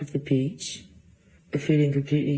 เธอเล่าต่อนะครับบอกว่า